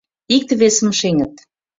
Икте-весым шеҥыт